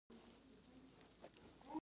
آیا قوي دې نه وي زموږ مټې؟